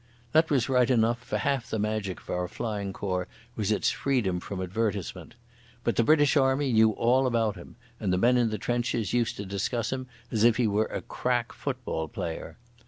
That was right enough, for half the magic of our Flying Corps was its freedom from advertisement. But the British Army knew all about him, and the men in the trenches used to discuss him as if he were a crack football player.